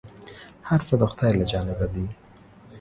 هر څه د خداى له جانبه دي ،